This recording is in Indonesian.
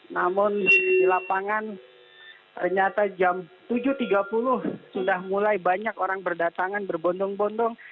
namun di lapangan ternyata jam tujuh tiga puluh sudah mulai banyak orang berdatangan berbondong bondong